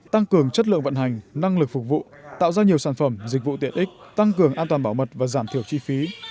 tăng cường chất lượng vận hành năng lực phục vụ tạo ra nhiều sản phẩm dịch vụ tiện ích tăng cường an toàn bảo mật và giảm thiểu chi phí